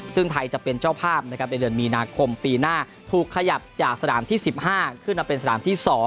ซึ่งไทยจะเป็นเจ้าภาพในเดือนมีนาคมปีหน้าถูกขยับจากสนามที่๑๕ขึ้นมาเป็นสนามที่๒